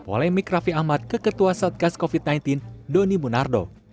oleh mikrafi ahmad keketua satgas covid sembilan belas doni munardo